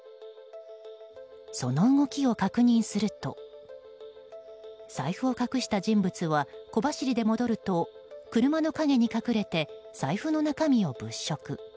その動きを確認すると財布を隠した人物は小走りで戻ると、車の陰に隠れて財布の中身を物色。